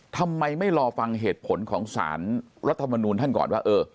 ทำไมไม่รอฟังเหตุผลของสารรัฐมนูลท่านก่อนว่า